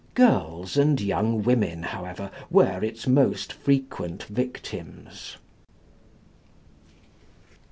Girls and young women, however, were its most frequent victims.